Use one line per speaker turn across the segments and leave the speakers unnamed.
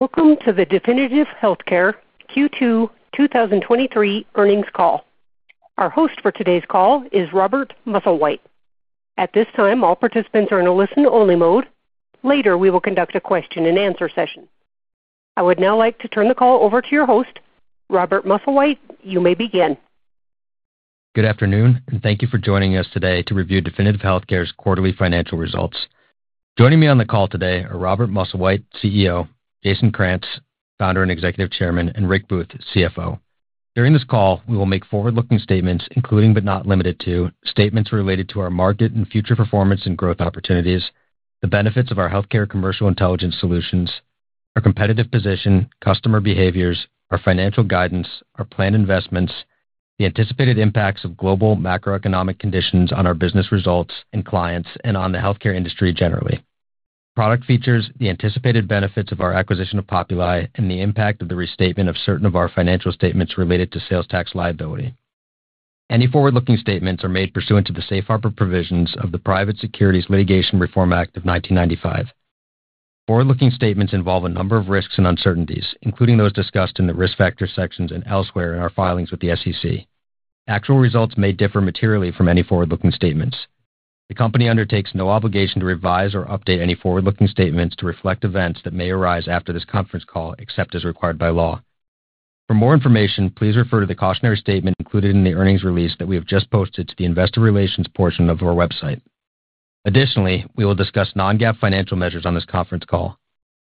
Welcome to the Definitive Healthcare Q2 2023 earnings call. Our host for today's call is Robert Musslewhite. At this time, all participants are in a listen-only mode. Later, we will conduct a question-and-answer session. I would now like to turn the call over to your host, Robert Musslewhite. You may begin.
Good afternoon, thank you for joining us today to review Definitive Healthcare's quarterly financial results. Joining me on the call today are Robert Musslewhite, CEO, Jason Krantz, Founder and Executive Chairman, and Rick Booth, CFO. During this call, we will make forward-looking statements, including but not limited to, statements related to our market and future performance and growth opportunities, the benefits of our healthcare commercial intelligence solutions, our competitive position, customer behaviors, our financial guidance, our planned investments, the anticipated impacts of global macroeconomic conditions on our business results and clients, and on the healthcare industry generally, Product features, the anticipated benefits of our acquisition of Populi, and the impact of the restatement of certain of our financial statements related to sales tax liability. Any forward-looking statements are made pursuant to the Safe Harbor Provisions of the Private Securities Litigation Reform Act of 1995. Forward-looking statements involve a number of risks and uncertainties, including those discussed in the Risk Factors sections and elsewhere in our filings with the SEC. Actual results may differ materially from any forward-looking statements. The company undertakes no obligation to revise or update any forward-looking statements to reflect events that may arise after this conference call, except as required by law. For more information, please refer to the cautionary statement included in the earnings release that we have just posted to the investor relations portion of our website. Additionally, we will discuss non-GAAP financial measures on this conference call.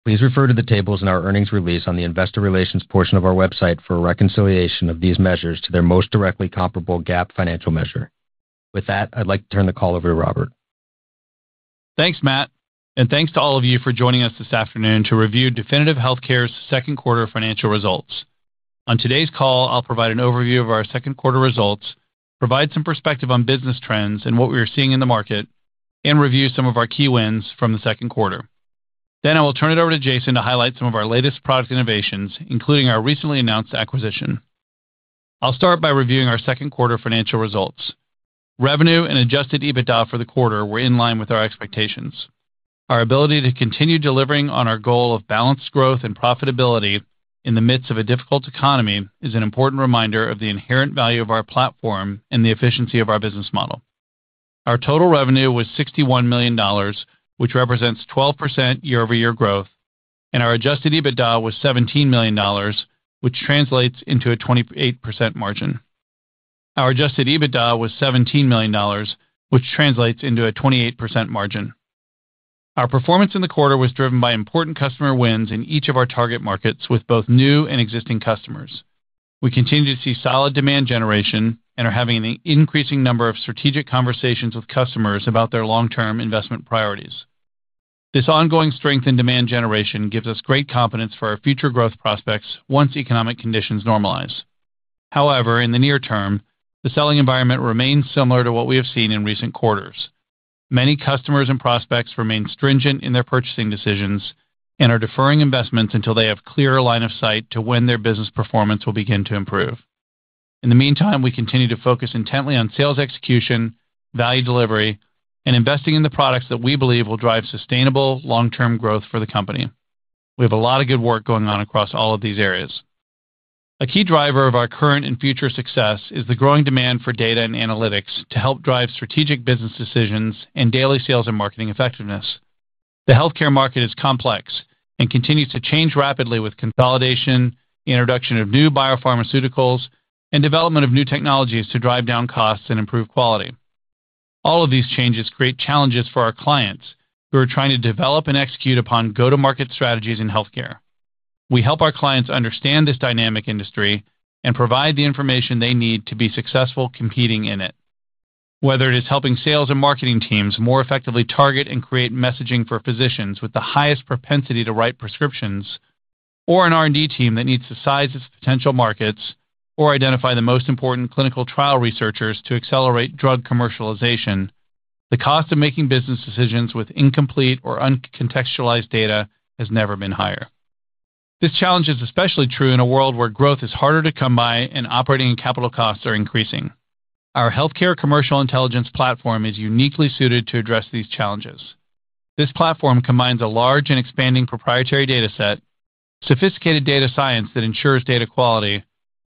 Please refer to the tables in our earnings release on the investor relations portion of our website for a reconciliation of these measures to their most directly comparable GAAP financial measure. With that, I'd like to turn the call over to Robert.
Thanks, Matt, thanks to all of you for joining us this afternoon to review Definitive Healthcare's Q2 financial results. On today's call, I'll provide an overview of our Q2 results, provide some perspective on business trends and what we are seeing in the market, and review some of our key wins from the second quarter. I will turn it over to Jason to highlight some of our latest product innovations, including our recently announced acquisition. I'll start by reviewing ourQ2 financial results. Revenue and adjusted EBITDA for the quarter were in line with our expectations. Our ability to continue delivering on our goal of balanced growth and profitability in the midst of a difficult economy is an important reminder of the inherent value of our platform and the efficiency of our business model. Our total revenue was $61 million, which represents 12% year-over-year growth, and our adjusted EBITDA was $17 million, which translates into a 28% margin. Our adjusted EBITDA was $17 million, which translates into a 28% margin. Our performance in the quarter was driven by important customer wins in each of our target markets, with both new and existing customers. We continue to see solid demand generation and are having an increasing number of strategic conversations with customers about their long-term investment priorities. This ongoing strength in demand generation gives us great confidence for our future growth prospects once economic conditions normalize. However, in the near term, the selling environment remains similar to what we have seen in recent quarters. Many customers and prospects remain stringent in their purchasing decisions and are deferring investments until they have clearer line of sight to when their business performance will begin to improve. In the meantime, we continue to focus intently on sales execution, value delivery, and investing in the products that we believe will drive sustainable long-term growth for the company. We have a lot of good work going on across all of these areas. A key driver of our current and future success is the growing demand for data and analytics to help drive strategic business decisions and daily sales and marketing effectiveness. The healthcare market is complex and continues to change rapidly with consolidation, the introduction of new biopharmaceuticals, and development of new technologies to drive down costs and improve quality. All of these changes create challenges for our clients, who are trying to develop and execute upon go-to-market strategies in healthcare. We help our clients understand this dynamic industry and provide the information they need to be successful competing in it. Whether it is helping sales and marketing teams more effectively target and create messaging for physicians with the highest propensity to write prescriptions, or an R&D team that needs to size its potential markets or identify the most important clinical trial researchers to accelerate drug commercialization, the cost of making business decisions with incomplete or uncontextualized data has never been higher. This challenge is especially true in a world where growth is harder to come by and operating and capital costs are increasing. Our healthcare commercial intelligence platform is uniquely suited to address these challenges. This platform combines a large and expanding proprietary dataset, sophisticated data science that ensures data quality,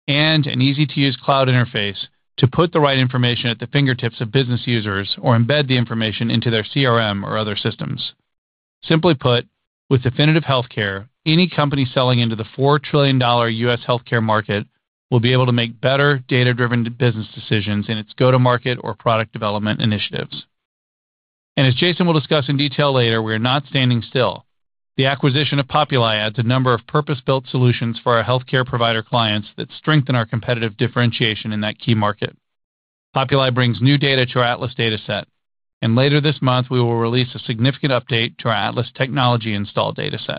and an easy-to-use cloud interface to put the right information at the fingertips of business users or embed the information into their CRM or other systems. Simply put, with Definitive Healthcare, any company selling into the $4 trillion U.S. healthcare market will be able to make better data-driven business decisions in its go-to-market or product development initiatives. As Jason will discuss in detail later, we are not standing still. The acquisition of Populi adds a number of purpose-built solutions for our healthcare provider clients that strengthen our competitive differentiation in that key market. Populi brings new data to our Atlas Dataset, and later this month, we will release a significant update to our Atlas Technology Install Dataset.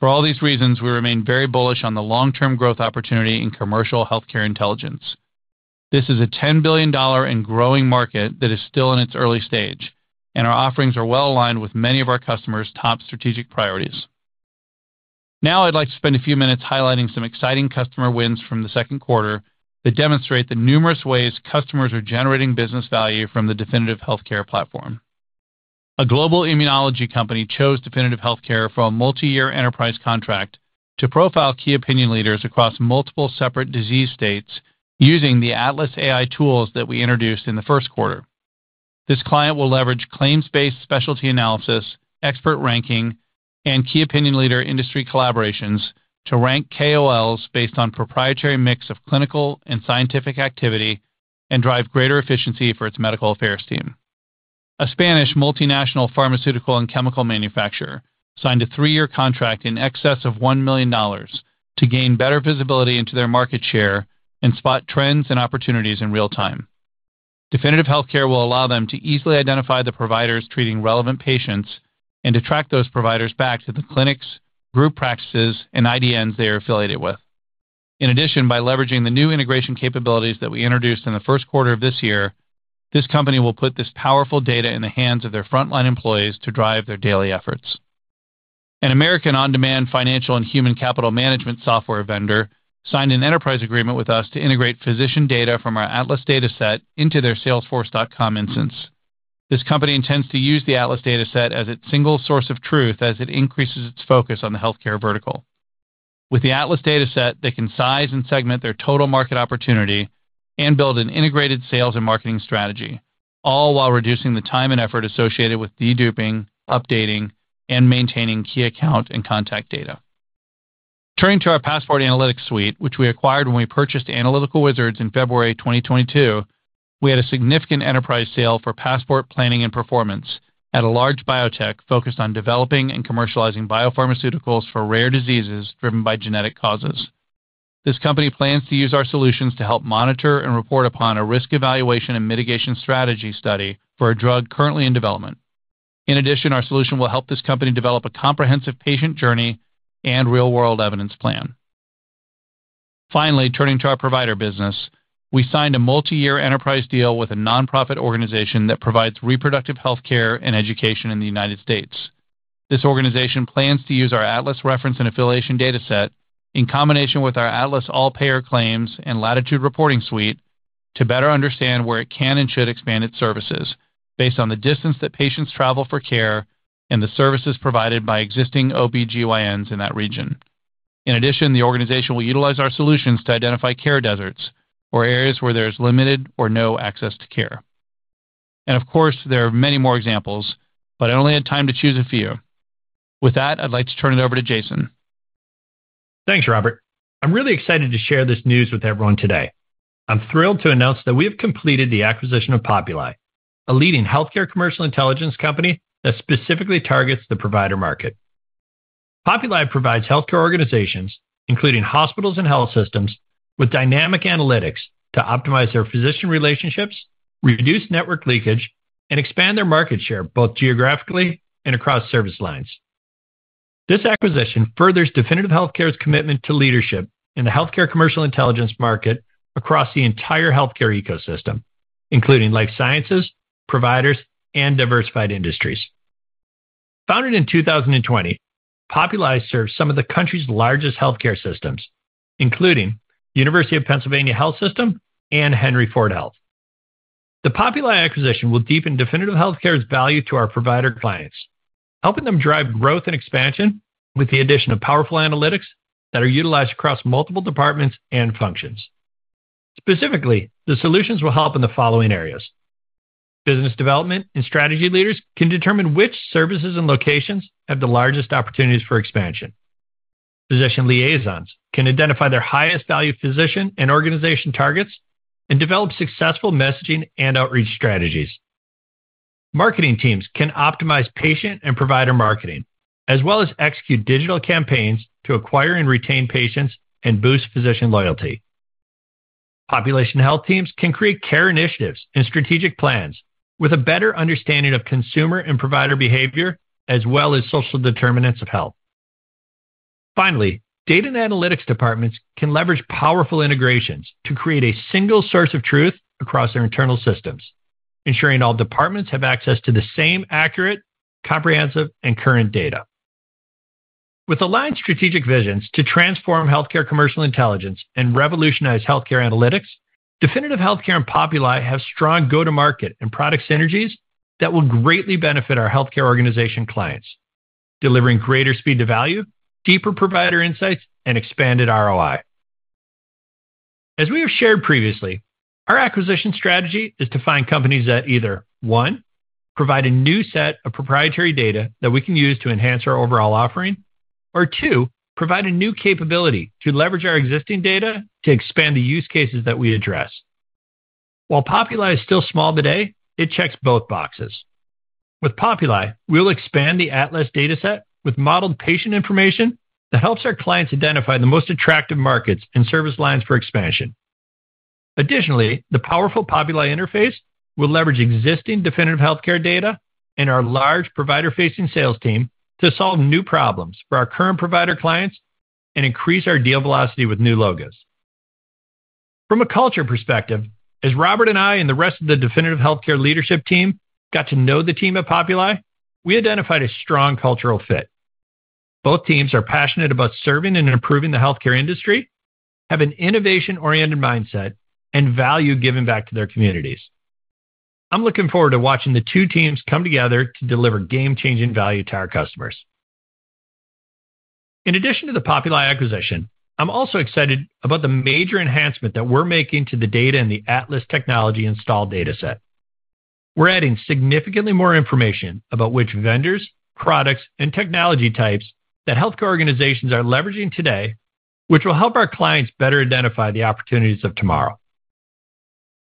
For all these reasons, we remain very bullish on the long-term growth opportunity in commercial healthcare intelligence. This is a $10 billion and growing market that is still in its early stage. Our offerings are well aligned with many of our customers' top strategic priorities. Now, I'd like to spend a few minutes highlighting some exciting customer wins from the second quarter that demonstrate the numerous ways customers are generating business value from the Definitive Healthcare platform. A global immunology company chose Definitive Healthcare for a multi-year enterprise contract to profile key opinion leaders across multiple separate disease states using the Atlas AI tools that we introduced in the first quarter. This client will leverage claims-based specialty analysis, expert ranking, and key opinion leader industry collaborations to rank KOLs based on proprietary mix of clinical and scientific activity and drive greater efficiency for its medical affairs team. A Spanish multinational pharmaceutical and chemical manufacturer signed a three-year contract in excess of $1 million to gain better visibility into their market share and spot trends and opportunities in real time. Definitive Healthcare will allow them to easily identify the providers treating relevant patients and to track those providers back to the clinics, group practices, and IDNs they are affiliated with. By leveraging the new integration capabilities that we introduced in the first quarter of this year, this company will put this powerful data in the hands of their frontline employees to drive their daily efforts. An American on-demand financial and human capital management software vendor signed an enterprise agreement with us to integrate physician data from our Atlas Dataset into their Salesforce.com instance. This company intends to use the Atlas Dataset as its single source of truth as it increases its focus on the healthcare vertical. With the Atlas Dataset, they can size and segment their total market opportunity and build an integrated sales and marketing strategy, all while reducing the time and effort associated with deduping, updating, and maintaining key account and contact data. Turning to our Passport Analytics Suite, which we acquired when we purchased Analytical Wizards in February 2022, we had a significant enterprise sale for Passport Planning and Performance at a large biotech focused on developing and commercializing biopharmaceuticals for rare diseases driven by genetic causes. This company plans to use our solutions to help monitor and report upon a Risk Evaluation and Mitigation Strategy study for a drug currently in development. In addition, our solution will help this company develop a comprehensive patient journey and real-world evidence plan. Finally, turning to our provider business, we signed a multi-year enterprise deal with a nonprofit organization that provides reproductive health care and education in the United States. This organization plans to use our Atlas Reference and Affiliation Dataset in combination with our Atlas All Payer Claims and Latitude Reporting Suite to better understand where it can and should expand its services based on the distance that patients travel for care and the services provided by existing OBGYNs in that region. In addition, the organization will utilize our solutions to identify care deserts or areas where there is limited or no access to care. Of course, there are many more examples, but I only had time to choose a few. With that, I'd like to turn it over to Jason.
Thanks, Robert. I'm really excited to share this news with everyone today. I'm thrilled to announce that we have completed the acquisition of Populi, a leading healthcare commercial intelligence company that specifically targets the provider market. Populi provides healthcare organizations, including hospitals and health systems, with dynamic analytics to optimize their physician relationships, reduce network leakage, and expand their market share, both geographically and across service lines. This acquisition furthers Definitive Healthcare's commitment to leadership in the healthcare commercial intelligence market across the entire healthcare ecosystem, including life sciences, providers, and diversified industries. Founded in 2020, Populi serves some of the country's largest healthcare systems, including the University of Pennsylvania Health System and Henry Ford Health. The Populi acquisition will deepen Definitive Healthcare's value to our provider clients, helping them drive growth and expansion with the addition of powerful analytics that are utilized across multiple departments and functions. Specifically, the solutions will help in the following areas. Business development and strategy leaders can determine which services and locations have the largest opportunities for expansion. Physician liaisons can identify their highest value physician and organization targets and develop successful messaging and outreach strategies. Marketing teams can optimize patient and provider marketing, as well as execute digital campaigns to acquire and retain patients and boost physician loyalty. Population health teams can create care initiatives and strategic plans with a better understanding of consumer and provider behavior, as well as social determinants of health. Finally, data and analytics departments can leverage powerful integrations to create a single source of truth across their internal systems, ensuring all departments have access to the same accurate, comprehensive, and current data. With aligned strategic visions to transform healthcare commercial intelligence and revolutionize healthcare analytics, Definitive Healthcare and Populi have strong go-to-market and product synergies that will greatly benefit our healthcare organization clients, delivering greater speed to value, deeper provider insights, and expanded ROI. As we have shared previously, our acquisition strategy is to find companies that either, one, provide a new set of proprietary data that we can use to enhance our overall offering, or two, provide a new capability to leverage our existing data to expand the use cases that we address. While Populi is still small today, it checks both boxes. With Populi, we'll expand the Atlas Dataset with modeled patient information that helps our clients identify the most attractive markets and service lines for expansion. Additionally, the powerful Populi interface will leverage existing Definitive Healthcare data and our large provider-facing sales team to solve new problems for our current provider clients and increase our deal velocity with new logos. From a culture perspective, as Robert and I and the rest of the Definitive Healthcare leadership team got to know the team at Populi, we identified a strong cultural fit. Both teams are passionate about serving and improving the healthcare industry, have an innovation-oriented mindset, and value giving back to their communities. I'm looking forward to watching the two teams come together to deliver game-changing value to our customers. In addition to the Populi acquisition, I'm also excited about the major enhancement that we're making to the data in the Atlas Technology Install Dataset. We're adding significantly more information about which vendors, products, and technology types that healthcare organizations are leveraging today, which will help our clients better identify the opportunities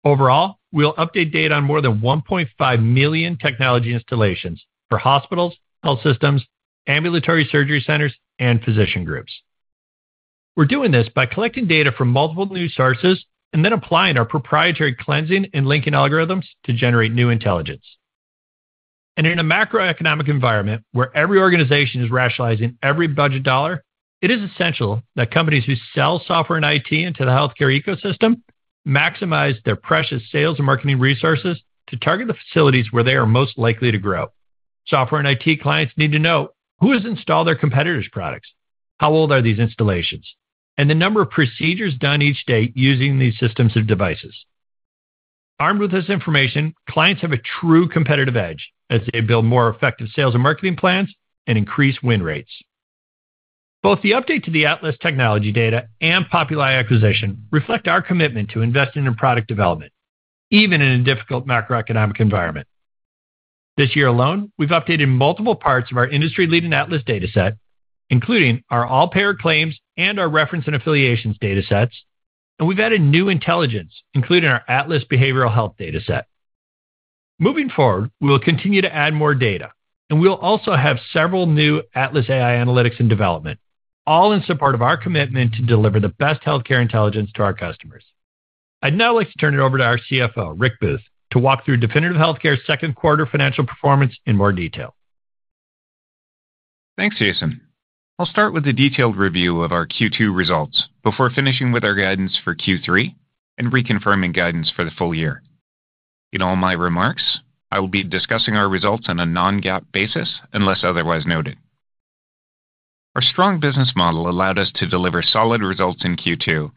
of tomorrow. Overall, we'll update data on more than 1.5 million technology installations for hospitals, health systems, ambulatory surgery centers, and physician groups. In a macroeconomic environment where every organization is rationalizing every budget dollar, it is essential that companies who sell software and IT into the healthcare ecosystem maximize their precious sales and marketing resources to target the facilities where they are most likely to grow. Software and IT clients need to know:who has installed their competitors' products, how old are these installations, and the number of procedures done each day using these systems of devices. Armed with this information, clients have a true competitive edge as they build more effective sales and marketing plans and increase win rates. Both the update to the Atlas technology data and Populi acquisition reflect our commitment to investing in product development, even in a difficult macroeconomic environment. This year alone, we've updated multiple parts of our industry-leading Atlas Dataset, including our all-payer claims and our reference and affiliations datasets, and we've added new intelligence, including our Atlas Behavioral Health Dataset. Moving forward, we will continue to add more data, and we'll also have several new Atlas AI analytics in development, all in support of our commitment to deliver the best healthcare intelligence to our customers. I'd now like to turn it over to our CFO, Rick Booth, to walk through Definitive Healthcare's second quarter financial performance in more detail.
Thanks, Jason. I'll start with a detailed review of our Q2 results before finishing with our guidance for Q3 and reconfirming guidance for the full year. In all my remarks, I will be discussing our results on a non-GAAP basis, unless otherwise noted. Our strong business model allowed us to deliver solid results in Q2,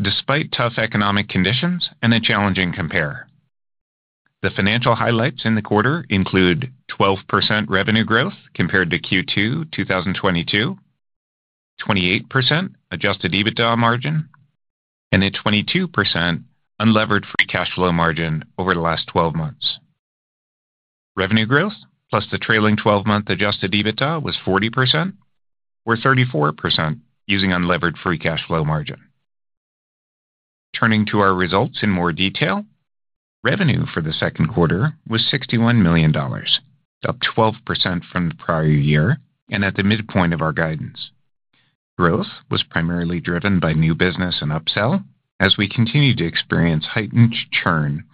despite tough economic conditions and a challenging compare. The financial highlights in the quarter include 12% revenue growth compared to Q2 2022, 28% adjusted EBITDA margin, and a 22% unlevered free cash flow margin over the last 12 months. Revenue growth, plus the trailing-12-month adjusted EBITDA, was 40%, or 34% using unlevered free cash flow margin. Turning to our results in more detail. Revenue for the Q2 was $61 million, up 12% from the prior year and at the midpoint of our guidance. Growth was primarily driven by new business and upsell as we continued to experience heightened churn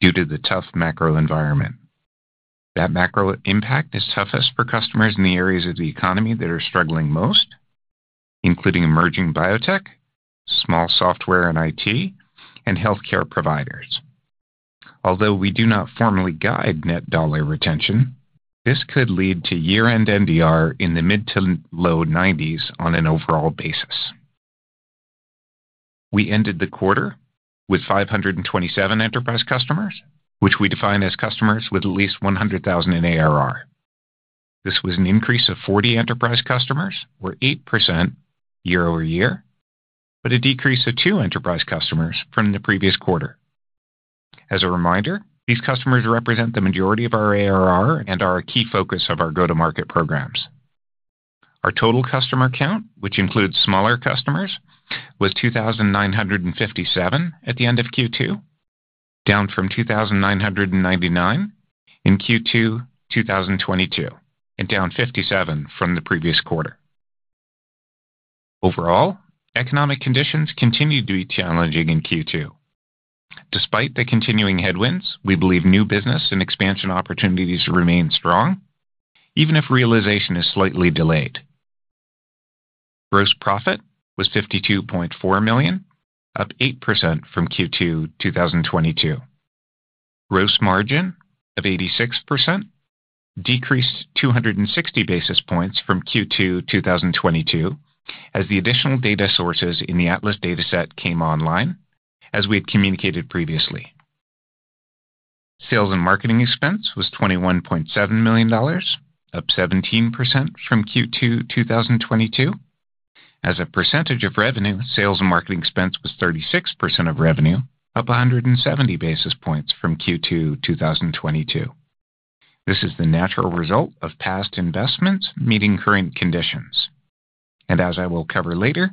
due to the tough macro environment. That macro impact is toughest for customers in the areas of the economy that are struggling most, including emerging biotech, small software and IT, and healthcare providers. Although we do not formally guide Net Dollar Retention, this could lead to year-end NDR in the mid to low 90s on an overall basis. We ended the quarter with 527 enterprise customers, which we define as customers with at least 100,000 in ARR. This was an increase of 40 enterprise customers, or 8% year-over-year, but a decrease of two enterprise customers from the previous quarter. As a reminder, these customers represent the majority of our ARR and are a key focus of our go-to-market programs. Our total customer count, which includes smaller customers, was 2,957 at the end of Q2, down from 2,999 in Q2 2022, and down 57 from the previous quarter. Overall, economic conditions continued to be challenging in Q2. Despite the continuing headwinds, we believe new business and expansion opportunities remain strong, even if realization is slightly delayed. Gross profit was $52.4 million, up 8% from Q2 2022. Gross margin of 86% decreased 260 basis points from Q2 2022, as the additional data sources in the Atlas Dataset came online, as we had communicated previously. Sales and marketing expense was $21.7 million, up 17% from Q2 2022. As a percentage of revenue, sales and marketing expense was 36% of revenue, up 170 basis points from Q2 2022. This is the natural result of past investments meeting current conditions, and as I will cover later,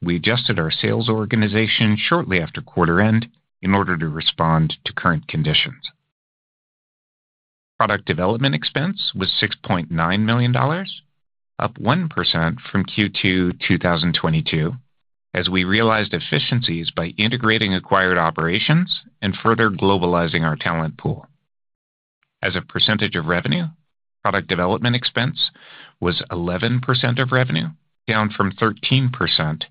we adjusted our sales organization shortly after quarter end in order to respond to current conditions. Product development expense was $6.9 million, up 1% from Q2 2022, as we realized efficiencies by integrating acquired operations and further globalizing our talent pool. As a percentage of revenue, product development expense was 11% of revenue, down from 13%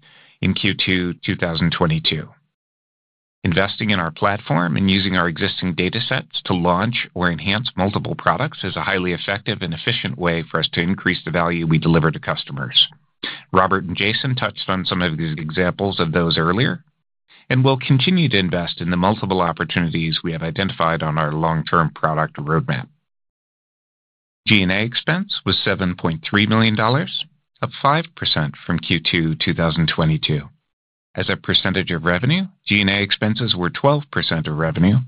in Q2 2022. Investing in our platform and using our existing datasets to launch or enhance multiple products is a highly effective and efficient way for us to increase the value we deliver to customers. Robert and Jason touched on some of these examples of those earlier, and we'll continue to invest in the multiple opportunities we have identified on our long-term product roadmap. G&A expense was $7.3 million, up 5% from Q2 2022. As a percentage of revenue, G&A expenses were 12% of revenue,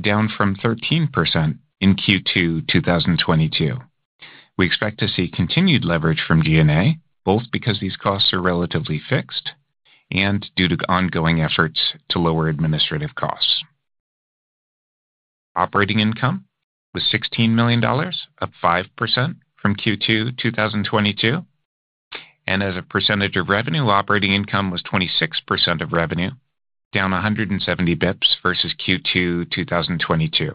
down from 13% in Q2 2022. We expect to see continued leverage from G&A, both because these costs are relatively fixed and due to the ongoing efforts to lower administrative costs. Operating income was $16 million, up 5% from Q2 2022, and as a percentage of revenue, operating income was 26% of revenue, down 170 basis points versus Q2 2022.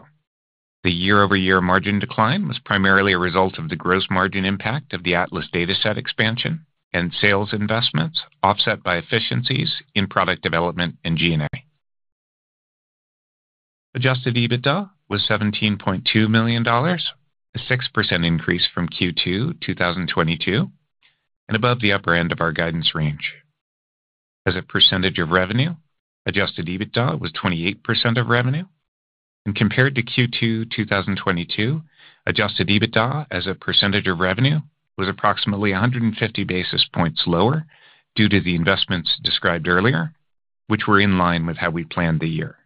The year-over-year margin decline was primarily a result of the gross margin impact of the Atlas Dataset expansion and sales investments, offset by efficiencies in product development and G&A. Adjusted EBITDA was $17.2 million, a 6% increase from Q2 2022, and above the upper end of our guidance range. As a percentage of revenue, adjusted EBITDA was 28% of revenue. Compared to Q2 2022, adjusted EBITDA as a percentage of revenue was approximately 150 basis points lower due to the investments described earlier, which were in line with how we planned the year.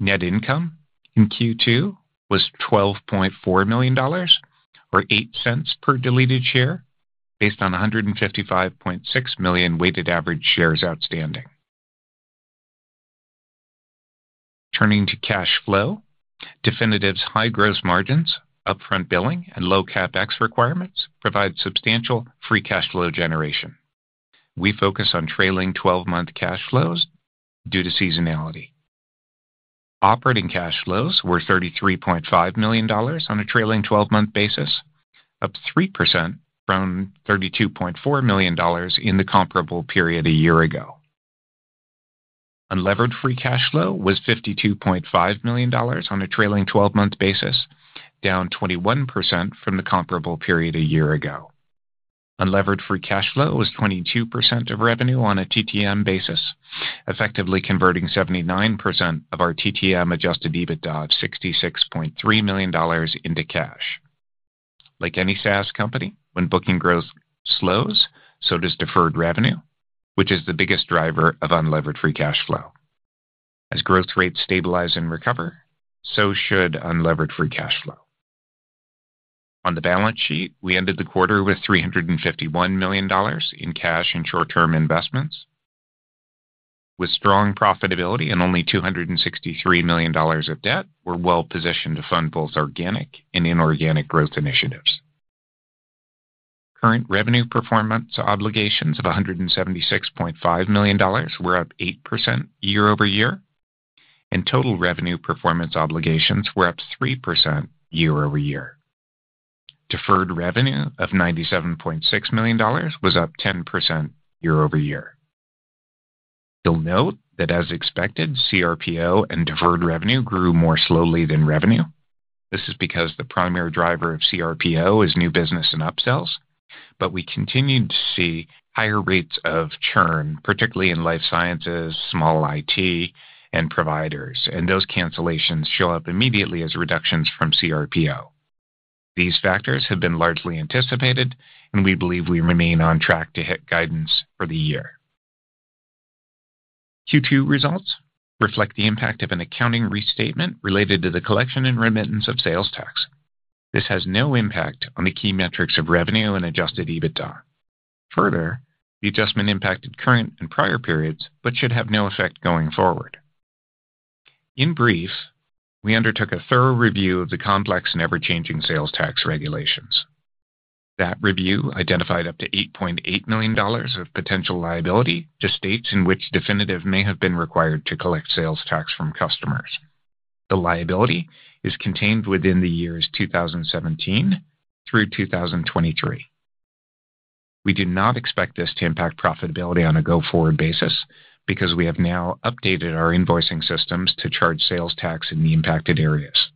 Net income in Q2 was $12.4 million, or $0.08 per deleted share, based on 155.6 million weighted average shares outstanding. Turning to cash flow, Definitive's high gross margins, upfront billing, and low CapEx requirements provide substantial free cash flow generation. We focus on trailing 12 month cash flows due to seasonality. Operating cash flows were $33.5 million on a trailing-twelve-month basis, up 3% from $32.4 million in the comparable period a year ago. Unlevered free cash flow was $52.5 million on a trailing 12 month basis, down 21% from the comparable period a year ago. Unlevered free cash flow was 22% of revenue on a TTM basis, effectively converting 79% of our TTM adjusted EBITDA of $66.3 million into cash. Like any SaaS company, when booking growth slows, so does deferred revenue, which is the biggest driver of unlevered free cash flow. As growth rates stabilize and recover, so should unlevered free cash flow. On the balance sheet, we ended the quarter with $351 million in cash and short-term investments. With strong profitability and only $263 million of debt, we're well positioned to fund both organic and inorganic growth initiatives. Current Revenue Performance Obligations of $176.5 million were up 8% year-over-year. Total revenue performance obligations were up 3% year-over-year. Deferred revenue of $97.6 million was up 10% year-over-year. You'll note that as expected, CRPO and deferred revenue grew more slowly than revenue. This is because the primary driver of CRPO is new business and upsells. We continued to see higher rates of churn, particularly in life sciences, small IT, and providers, and those cancellations show up immediately as reductions from CRPO. These factors have been largely anticipated, and we believe we remain on track to hit guidance for the year. Q2 results reflect the impact of an accounting restatement related to the collection and remittance of sales tax. This has no impact on the key metrics of revenue and adjusted EBITDA. Further, the adjustment impacted current and prior periods, but should have no effect going forward. In brief, we undertook a thorough review of the complex and ever-changing sales tax regulations. That review identified up to $8.8 million of potential liability to states in which definitive may have been required to collect sales tax from customers. The liability is contained within the years 2017 through 2023. We do not expect this to impact profitability on a go-forward basis because we have now updated our invoicing systems to charge sales tax in the impacted areas.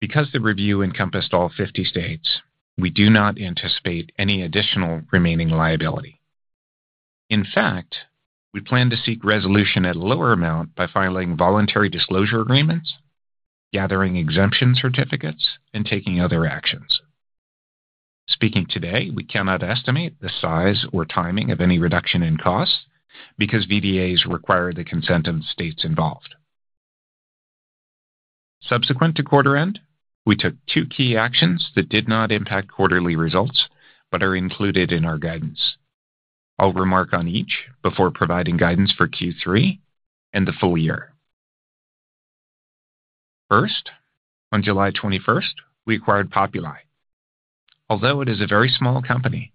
Because the review encompassed all 50 states, we do not anticipate any additional remaining liability. In fact, we plan to seek resolution at a lower amount by filing Voluntary Disclosure Agreements, gathering exemption certificates, and taking other actions. Speaking today, we cannot estimate the size or timing of any reduction in costs because VDAs require the consent of the states involved. Subsequent to quarter end, we took two key actions that did not impact quarterly results but are included in our guidance. I'll remark on each before providing guidance for Q3 and the full year. First, on July 21st, we acquired Populi. Although it is a very small company,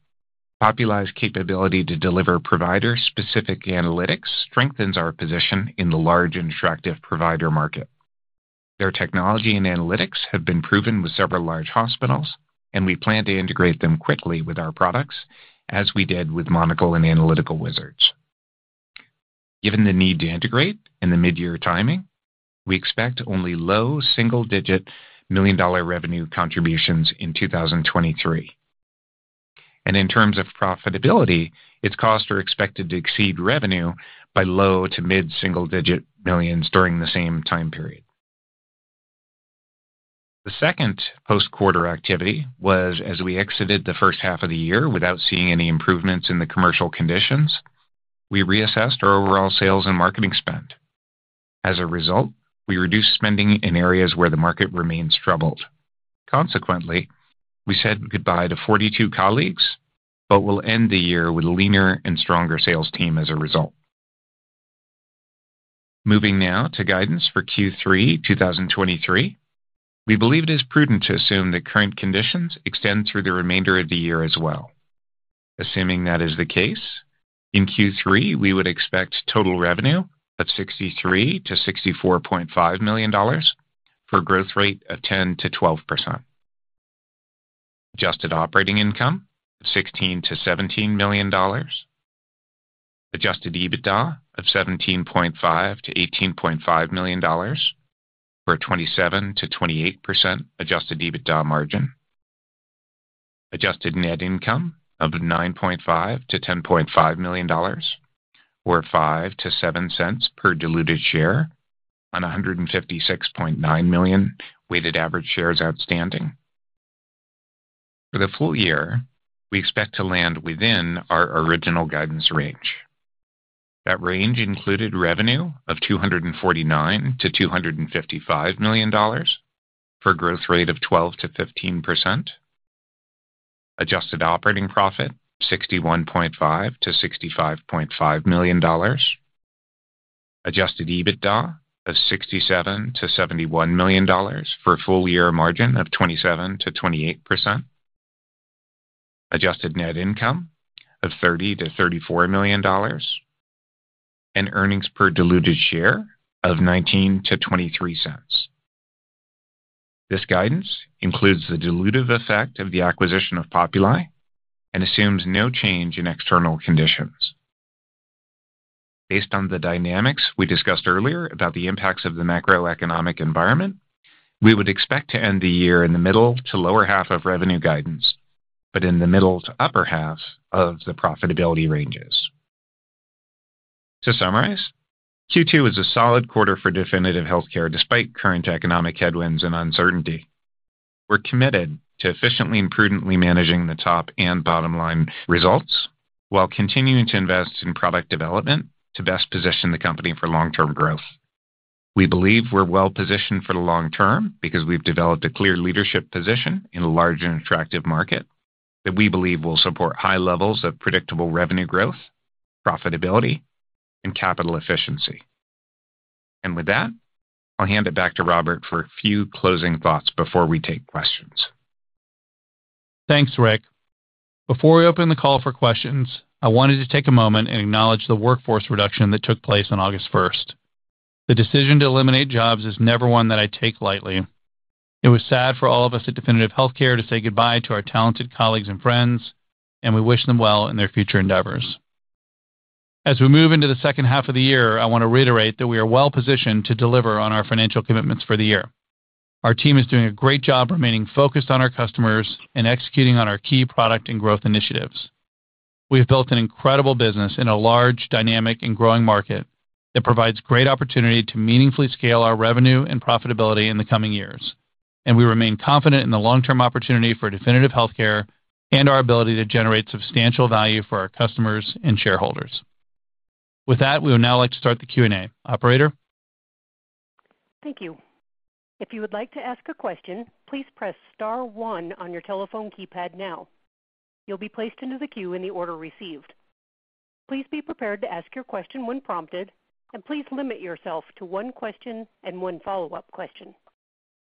Populi's capability to deliver provider-specific analytics strengthens our position in the large and attractive provider market. Their technology and analytics have been proven with several large hospitals, and we plan to integrate them quickly with our products, as we did with Monicle and Analytical Wizards. Given the need to integrate and the midyear timing, we expect only low single-digit million-dollar revenue contributions in 2023. In terms of profitability, its costs are expected to exceed revenue by low to mid single-digit millions during the same time period. The second post-quarter activity was, as we exited the first half of the year without seeing any improvements in the commercial conditions, we reassessed our overall sales and marketing spend. As a result, we reduced spending in areas where the market remains troubled. Consequently, we said goodbye to 42 colleagues, but we'll end the year with a leaner and stronger sales team as a result. Moving now to guidance for Q3, 2023. We believe it is prudent to assume that current conditions extend through the remainder of the year as well. Assuming that is the case, in Q3, we would expect total revenue of $63 million-$64.5 million, for a growth rate of 10%-12%. Adjusted operating income, $16 million-$17 million. Adjusted EBITDA of $17.5 million-$18.5 million, for a 27%-28% adjusted EBITDA margin. Adjusted net income of $9.5 million-$10.5 million, or $0.05-$0.07 per diluted share on $156.9 million weighted average shares outstanding. For the full year, we expect to land within our original guidance range. That range included revenue of $249 million-$255 million, for a growth rate of 12%-15%. Adjusted operating profit, $61.5 million-$65.5 million. Adjusted EBITDA of $67 million-$71 million, for a full-year margin of 27%-28%. Adjusted net income of $30 million-$34 million, and earnings per diluted share of $0.19-$0.23. This guidance includes the dilutive effect of the acquisition of Populi and assumes no change in external conditions. Based on the dynamics we discussed earlier about the impacts of the macroeconomic environment, we would expect to end the year in the middle to lower half of revenue guidance, but in the middle to upper half of the profitability ranges. To summarize, Q2 was a solid quarter for Definitive Healthcare, despite current economic headwinds and uncertainty. We're committed to efficiently and prudently managing the top and bottom-line results while continuing to invest in product development to best position the company for long-term growth. We believe we're well positioned for the long term because we've developed a clear leadership position in a large and attractive market that we believe will support high levels of predictable revenue growth, profitability, and capital efficiency. With that, I'll hand it back to Robert for a few closing thoughts before we take questions.
Thanks, Rick. Before we open the call for questions, I wanted to take a moment and acknowledge the workforce reduction that took place on August 1st. The decision to eliminate jobs is never one that I take lightly. It was sad for all of us at Definitive Healthcare to say goodbye to our talented colleagues and friends, and we wish them well in their future endeavors. As we move into the second half of the year, I want to reiterate that we are well positioned to deliver on our financial commitments for the year. Our team is doing a great job remaining focused on our customers and executing on our key product and growth initiatives. We've built an incredible business in a large, dynamic, and growing market that provides great opportunity to meaningfully scale our revenue and profitability in the coming years, and we remain confident in the long-term opportunity for Definitive Healthcare and our ability to generate substantial value for our customers and shareholders. With that, we would now like to start the Q&A. Operator?
Thank you. If you would like to ask a question, please press star one on your telephone keypad now. You'll be placed into the queue in the order received. Please be prepared to ask your question when prompted, and please limit yourself to one question and one follow-up question.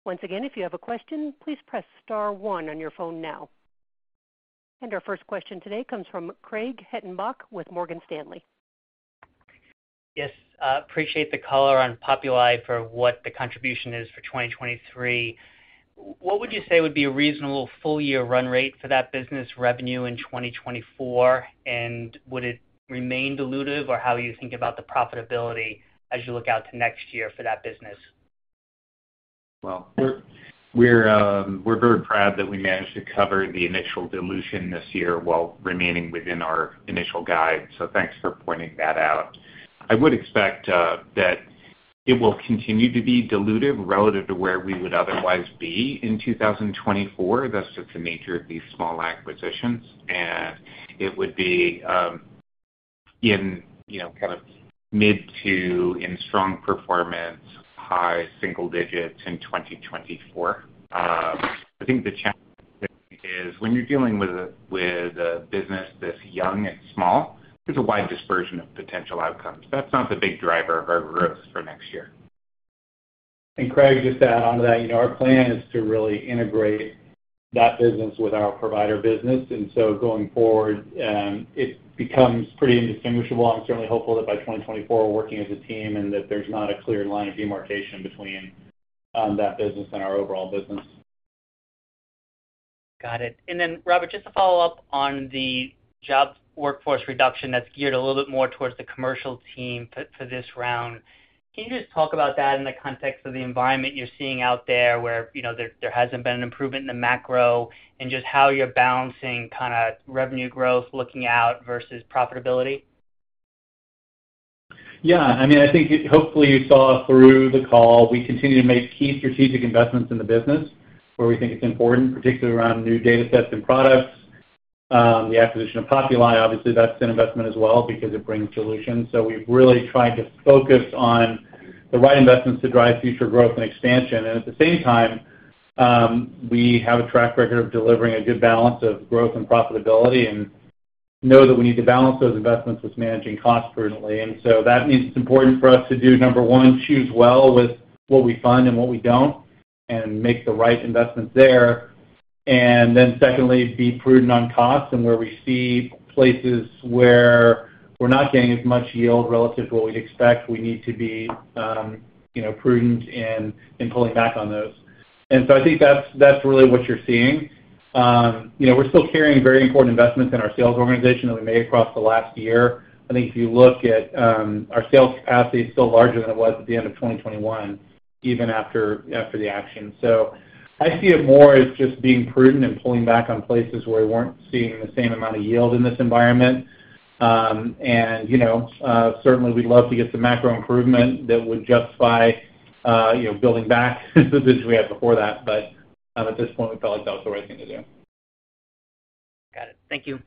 Once again, if you have a question, please press star one on your phone now. Our first question today comes from Craig Hettenbach with Morgan Stanley.
Yes, appreciate the color on Populi for what the contribution is for 2023. What would you say would be a reasonable full-year run rate for that business revenue in 2024? Would it remain dilutive, or how you think about the profitability as you look out to next year for that business?
Well, we're, we're very proud that we managed to cover the initial dilution this year while remaining within our initial guide, so thanks for pointing that out. I would expect that it will continue to be dilutive relative to where we would otherwise be in 2024. That's just the nature of these small acquisitions, and it would be, in, you know, kind of mid to, in strong performance, high single digits in 2024. I think the challenge is, when you're dealing with a, with a business this young and small, there's a wide dispersion of potential outcomes. That's not the big driver of our growth for next year.
Craig, just to add on to that, you know, our plan is to really integrate- that business with our provider business. Going forward, it becomes pretty indistinguishable. I'm certainly hopeful that by 2024, we're working as a team, and that there's not a clear line of demarcation between that business and our overall business.
Got it. Robert, just to follow up on the job workforce reduction that's geared a little bit more towards the commercial team for, for this round, can you just talk about that in the context of the environment you're seeing out there, where, you know, there, there hasn't been an improvement in the macro, and just how you're balancing kind of revenue growth looking out versus profitability?
Yeah, I mean, I think, hopefully, you saw through the call, we continue to make key strategic investments in the business where we think it's important, particularly around new data sets and products. The acquisition of Populi, obviously, that's an investment as well because it brings solutions. We've really tried to focus on the right investments to drive future growth and expansion. At the same time, we have a track record of delivering a good balance of growth and profitability, and know that we need to balance those investments with managing costs prudently. That means it's important for us to do, number one, choose well with what we fund and what we don't, and make the right investments there. Secondly, be prudent on cost and where we see places where we're not getting as much yield relative to what we'd expect, we need to be, you know, prudent in, in pulling back on those. I think that's, that's really what you're seeing. You know, we're still carrying very important investments in our sales organization that we made across the last year. I think if you look at, our sales capacity is still larger than it was at the end of 2021, even after, after the action. I see it more as just being prudent and pulling back on places where we weren't seeing the same amount of yield in this environment. And, you know, certainly we'd love to get some macro improvement that would justify, you know, building back the business we had before that. At this point, we felt like that was the right thing to do.
Got it. Thank you.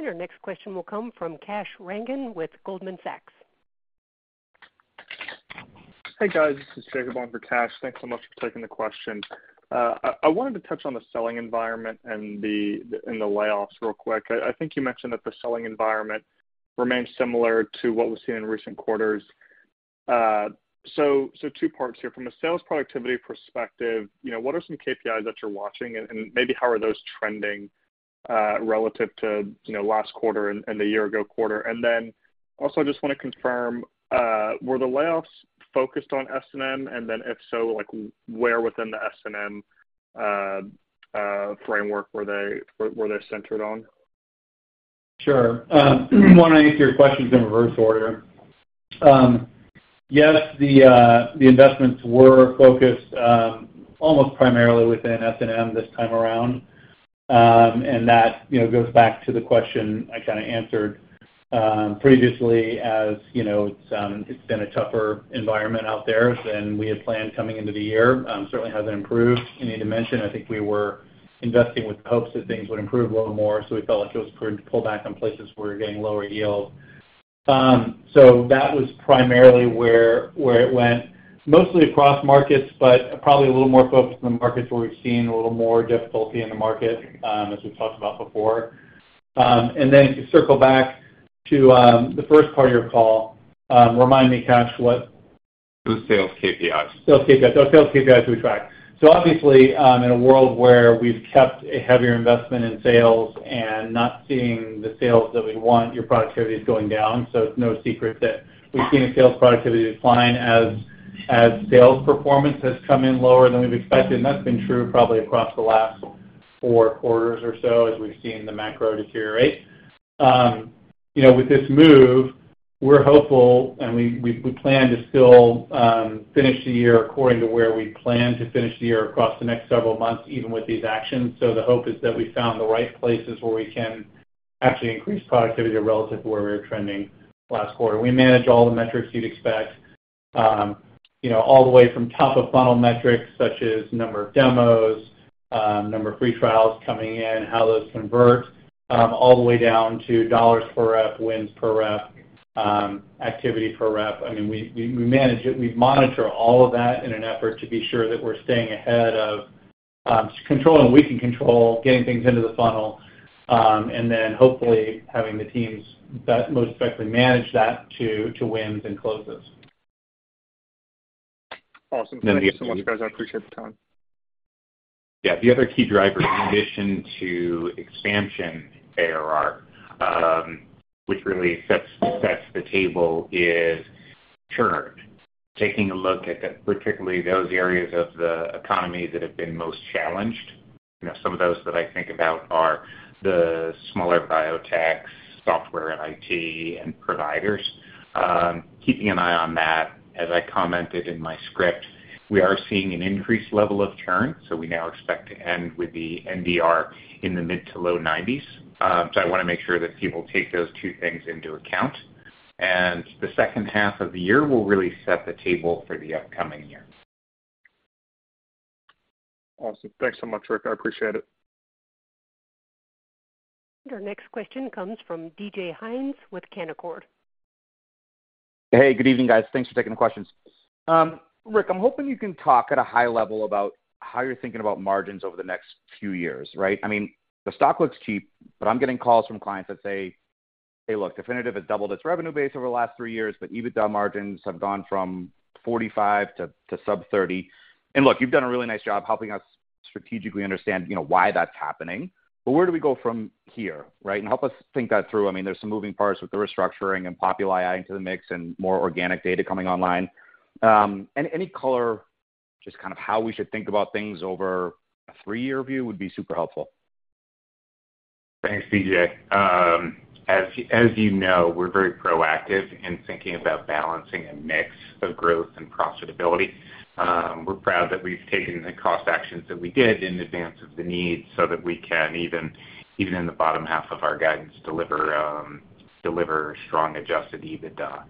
Our next question will come from Kash Rangan with Goldman Sachs.
Hey, guys. This is Jacob on for Kash. Thanks so much for taking the question. I, I wanted to touch on the selling environment and the layoffs real quick. I, I think you mentioned that the selling environment remains similar to what we've seen in recent quarters. Two parts here. From a sales productivity perspective, you know, what are some KPIs that you're watching? Maybe how are those trending relative to, you know, last quarter and the year ago quarter? Also, I just wanna confirm, were the layoffs focused on S&M? If so, like, where within the S&M framework were they centered on?
Sure. wanna answer your questions in reverse order. Yes, the investments were focused almost primarily within S&M this time around. That, you know, goes back to the question I kind of answered previously. You know, it's been a tougher environment out there than we had planned coming into the year. certainly hasn't improved, you need to mention. I think we were investing with the hopes that things would improve a little more. We felt like it was prudent to pull back on places where we're getting lower yields. That was primarily where, where it went. Mostly across markets, but probably a little more focused on the markets where we've seen a little more difficulty in the market, as we've talked about before. Then to circle back to the first part of your call, remind me, Kash.
The sales KPIs.
Sales KPIs. The sales KPIs we track. Obviously, in a world where we've kept a heavier investment in sales and not seeing the sales that we want, your productivity is going down. It's no secret that we've seen a sales productivity decline as, as sales performance has come in lower than we've expected, and that's been true probably across the last four quarters or so, as we've seen the macro deteriorate. You know, with this move, we're hopeful, and we, we, we plan to still finish the year according to where we plan to finish the year across the next several months, even with these actions. The hope is that we found the right places where we can actually increase productivity relative to where we were trending last quarter. We manage all the metrics you'd expect, you know, all the way from top-of-funnel metrics, such as number of demos, number of free trials coming in, how those convert, all the way down to dolar per rep, wins per rep, activity per rep. I mean, we, we, we manage it. We monitor all of that in an effort to be sure that we're staying ahead of, controlling what we can control, getting things into the funnel, and then hopefully having the teams that most effectively manage that to, to wins and closes.
Awesome.
Then we have-
Thanks so much, guys. I appreciate the time.
Yeah. The other key driver, in addition to expansion ARR, which really sets, sets the table, is churn. Taking a look at particularly those areas of the economy that have been most challenged. You know, some of those that I think about are the smaller biotechs, software and IT, and providers. Keeping an eye on that, as I commented in my script, we are seeing an increased level of churn, so we now expect to end with the NDR in the mid to low 90s. I wanna make sure that people take those two things into account. The second half of the year will really set the table for the upcoming year.
Awesome. Thanks so much, Rick. I appreciate it.
Our next question comes from David Hynes with Canaccord.
Hey, good evening, guys. Thanks for taking the questions. Rick, I'm hoping you can talk at a high level about how you're thinking about margins over the next few years, right? I mean, the stock looks cheap, but I'm getting calls from clients that say. Hey, look, Definitive has doubled its revenue base over the last three years, but EBITDA margins have gone from 45% to sub 30%. Look, you've done a really nice job helping us strategically understand, you know, why that's happening. Where do we go from here, right? Help us think that through. I mean, there's some moving parts with the restructuring and Populi adding to the mix and more organic data coming online. Any, any color, just kind of how we should think about things over a three year view would be super helpful.
Thanks, David. As you know, we're very proactive in thinking about balancing a mix of growth and profitability. We're proud that we've taken the cost actions that we did in advance of the need so that we can even, even in the bottom half of our guidance, deliver strong adjusted EBITDA.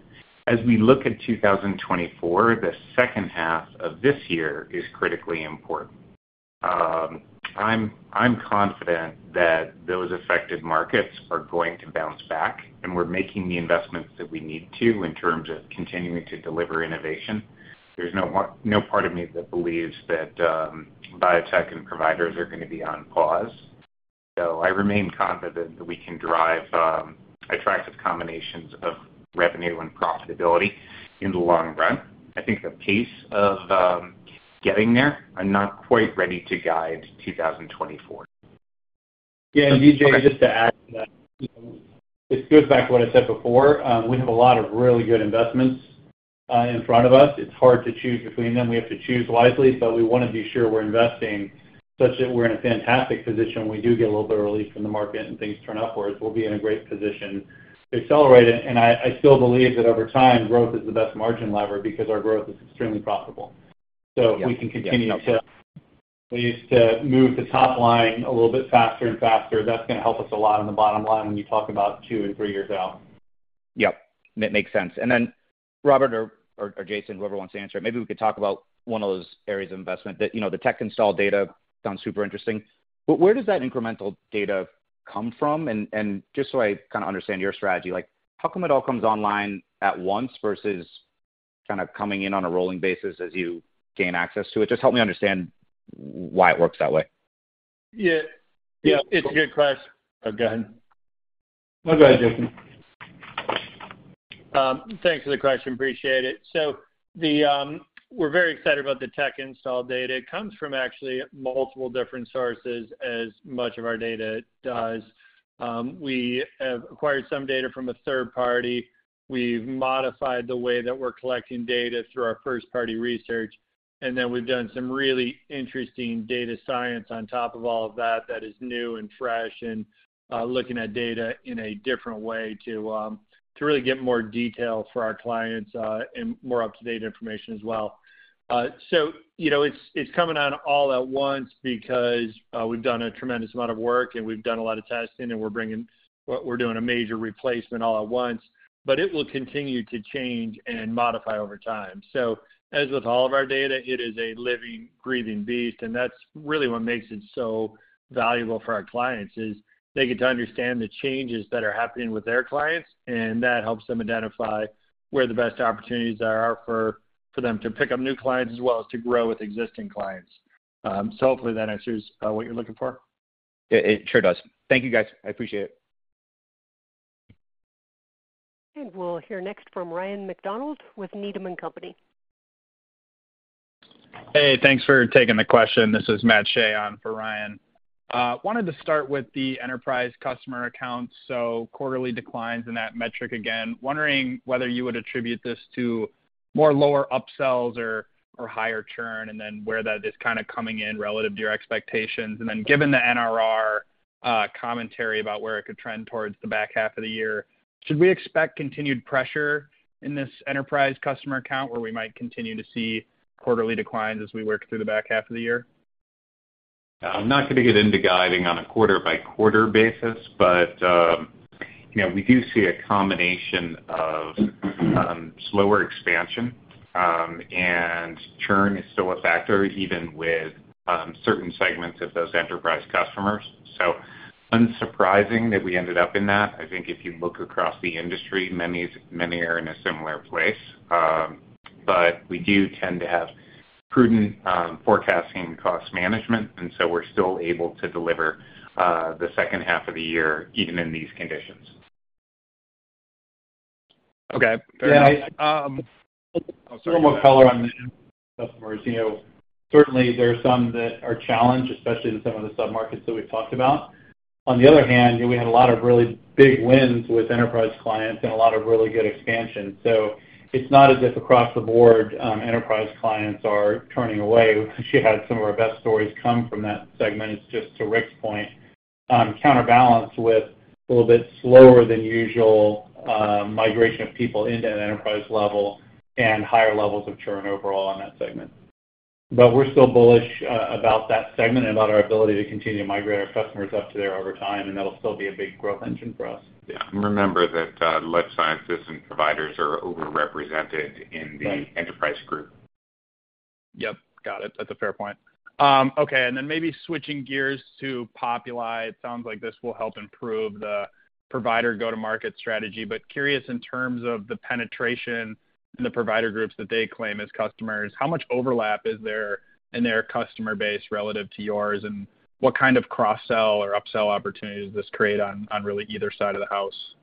We look at 2024, the second half of this year is critically important. I'm confident that those affected markets are going to bounce back, and we're making the investments that we need to in terms of continuing to deliver innovation. There's no part of me that believes that biotech and providers are going to be on pause. I remain confident that we can drive attractive combinations of revenue and profitability in the long run. I think the pace of getting there, I'm not quite ready to guide 2024.
Yeah, David, just to add to that, this goes back to what I said before. We have a lot of really good investments in front of us. It's hard to choose between them. We have to choose wisely, but we want to be sure we're investing such that we're in a fantastic position when we do get a little bit of relief from the market and things turn upwards, we'll be in a great position to accelerate it. I, I still believe that over time, growth is the best margin lever because our growth is extremely profitable.
Yeah.
If we can continue to, at least, to move the top line a little bit faster and faster, that's going to help us a lot on the bottom line when you talk about two and three years out.
Yep, that makes sense. Robert or, or Jason, whoever wants to answer it, maybe we could talk about one of those areas of investment that, you know, the tech install data sounds super interesting. Where does that incremental data come from? And just so I kind of understand your strategy, like, how come it all comes online at once versus kind of coming in on a rolling basis as you gain access to it? Just help me understand why it works that way.
Yeah. Yeah, it's a good question.
Oh, go ahead. No, go ahead, Jason.
Thanks for the question. Appreciate it. We're very excited about the tech install data. It comes from actually multiple different sources, as much of our data does. We have acquired some data from a third party. We've modified the way that we're collecting data through our first-party research, we've done some really interesting data science on top of all of that, that is new and fresh, looking at data in a different way to really get more detail for our clients, and more up-to-date information as well. You know, it's, it's coming out all at once because, we've done a tremendous amount of work, and we've done a lot of testing, and we're doing a major replacement all at once. It will continue to change and modify over time. As with all of our data, it is a living, breathing beast, and that's really what makes it so valuable for our clients, is they get to understand the changes that are happening with their clients, and that helps them identify where the best opportunities are for, for them to pick up new clients as well as to grow with existing clients. Hopefully that answers what you're looking for.
It, it sure does. Thank you, guys. I appreciate it.
we'll hear next from Ryan MacDonald with Needham and Company.
Hey, thanks for taking the question. This is Matt Shea on for Ryan. wanted to start with the enterprise customer accounts, quarterly declines in that metric again. Wondering whether you would attribute this to more lower upsells or, or higher churn, then where that is kind of coming in relative to your expectations. Given the NDR commentary about where it could trend towards the back half of the year, should we expect continued pressure in this enterprise customer account, where we might continue to see quarterly declines as we work through the back half of the year?
I'm not going to get into guiding on a quarter-by-quarter basis, you know, we do see a combination of slower expansion, and churn is still a factor, even with certain segments of those enterprise customers. Unsurprising that we ended up in that. I think if you look across the industry, many, many are in a similar place. We do tend to have prudent forecasting cost management, and so we're still able to deliver the second half of the year, even in these conditions.
Okay. Fair enough.
Yeah, sort of more color on the customers. You know, certainly there are some that are challenged, especially in some of the submarkets that we've talked about. On the other hand, we had a lot of really big wins with enterprise clients and a lot of really good expansion. It's not as if across the board, enterprise clients are turning away. We actually had some of our best stories come from that segment. It's just to Rick's point, counterbalance with a little bit slower than usual migration of people into an enterprise level and higher levels of churn overall on that segment. We're still bullish about that segment and about our ability to continue to migrate our customers up to there over time, and that'll still be a big growth engine for us.
Yeah. Remember that, life sciences and providers are overrepresented.
Right
in the enterprise group.
Yep, got it. That's a fair point. Okay, then maybe switching gears to Populi, it sounds like this will help improve the provider go-to-market strategy. Curious in terms of the penetration in the provider groups that they claim as customers, how much overlap is there in their customer base relative to yours? What kind of cross-sell or upsell opportunity does this create on, on really either side of the house?...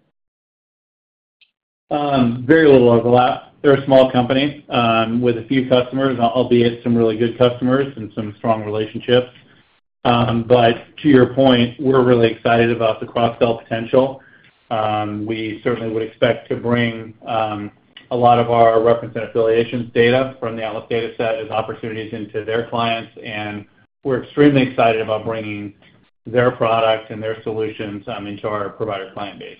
Very little overlap. They're a small company, with a few customers, albeit some really good customers and some strong relationships. To your point, we're really excited about the cross-sell potential. We certainly would expect to bring a lot of our reference and affiliations data from the Atlas Dataset as opportunities into their clients, and we're extremely excited about bringing their products and their solutions into our provider client base.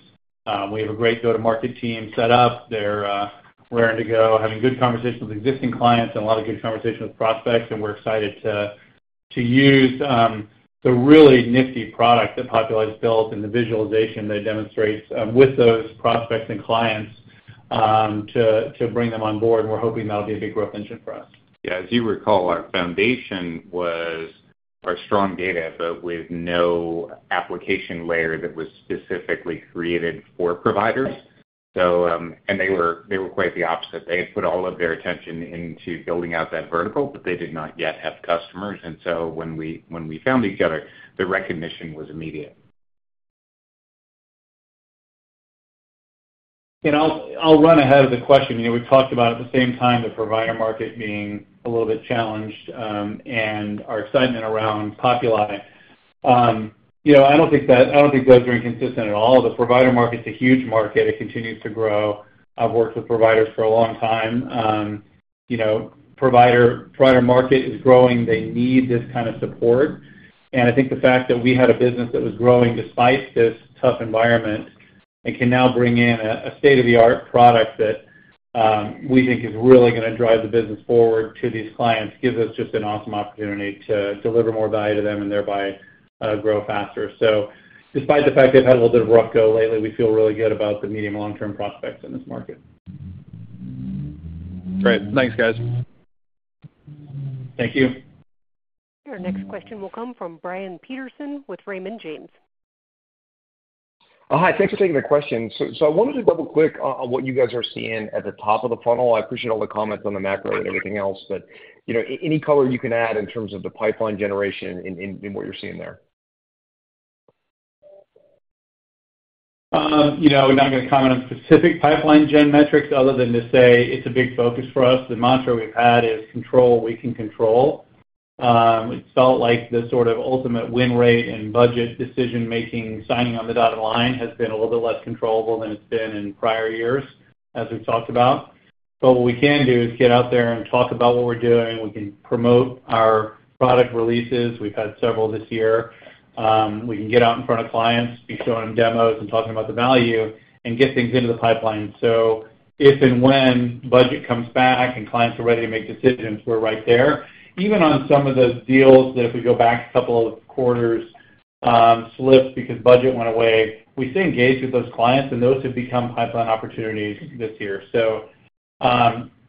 We have a great go-to-market team set up. They're raring to go, having good conversations with existing clients and a lot of good conversations with prospects, and we're excited to, to use the really nifty product that Populi has built and the visualization that it demonstrates with those prospects and clients to bring them on board, and we're hoping that'll be a big growth engine for us.
Yeah, as you recall, our foundation was our strong data, but with no application layer that was specifically created for providers. They were, they were quite the opposite. They had put all of their attention into building out that vertical, but they did not yet have customers. So when we, when we found each other, the recognition was immediate.
I'll, I'll run ahead of the question. You know, we talked about, at the same time, the provider market being a little bit challenged, and our excitement around Populi. You know, I don't think that, I don't think those are inconsistent at all. The provider market's a huge market. It continues to grow. I've worked with providers for a long time. You know, provider, provider market is growing. They need this kind of support. I think the fact that we had a business that was growing despite this tough environment and can now bring in a, a state-of-the-art product that we think is really gonna drive the business forward to these clients, gives us just an awesome opportunity to deliver more value to them and thereby, grow faster. Despite the fact they've had a little bit of rough go lately, we feel really good about the medium, long-term prospects in this market.
Great. Thanks, guys. Thank you.
Your next question will come from Brian Peterson with Raymond James.
Hi, thanks for taking the question. I wanted to double-click on what you guys are seeing at the top of the funnel. I appreciate all the comments on the macro and everything else, you know, any color you can add in terms of the pipeline generation in what you're seeing there?
...You know, we're not gonna comment on specific pipeline gen metrics other than to say it's a big focus for us. The mantra we've had is control what we can control. It felt like the sort of ultimate win rate and budget decision-making, signing on the dotted line, has been a little bit less controllable than it's been in prior years, as we've talked about. What we can do is get out there and talk about what we're doing. We can promote our product releases. We've had several this year. We can get out in front of clients, be showing them demos and talking about the value, and get things into the pipeline. If and when budget comes back and clients are ready to make decisions, we're right there. Even on some of those deals that, if we go back several quarters, slipped because budget went away, we stay engaged with those clients, and those have become pipeline opportunities this year.